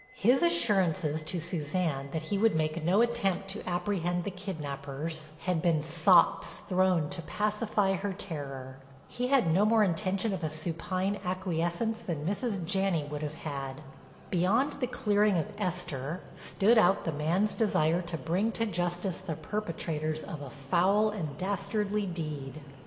His assurances to Suzanne that he would make no attempt to apprehend the kidnapers had been sops thrown to pacify her terror. He had no more intention of a supine acquiescence than Mrs. Janney would have had. Beyond the clearing of Esther, stood out the man's desire to bring to justice the perpetrators of a foul and dastardly deed.